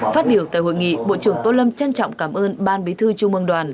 phát biểu tại hội nghị bộ trưởng tô lâm trân trọng cảm ơn ban bí thư trung mương đoàn